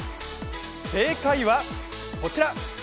正解は、こちら！